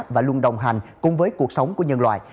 và luôn đồng hành cùng với cuộc sống của nhân loại